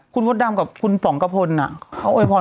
คุณมดดามกับคุณป่องกำพล